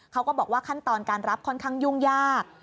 เขาก็บอกว่าขั้นตอนการรับค่อนข้างยุ่งยาก